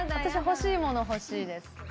私欲しいもの欲しいです。